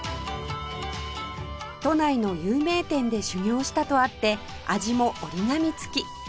都内の有名店で修業したとあって味も折り紙付き